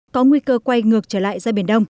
có nguy cơ quay ngược trở lại ra biển đông